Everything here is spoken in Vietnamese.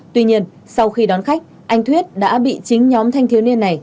tuy nhiên sau khi đón khách anh thuyết đã bị chính nhóm thanh thiếu niên này